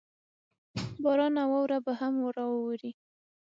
باران او واوره به هم راووري.